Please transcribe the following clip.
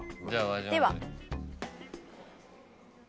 では。